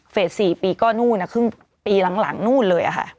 ๔ปีก็นู่นครึ่งปีหลังนู่นเลยค่ะ